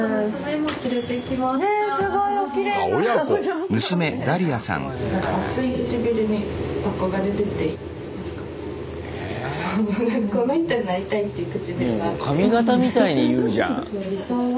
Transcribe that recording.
もう髪形みたいに言うじゃん。理想は。